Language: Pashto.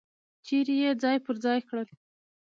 چیرې یې ځای پر ځای کړل.